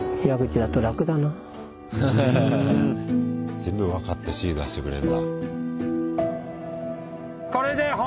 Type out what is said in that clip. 全部分かって指示出してくれるんだ。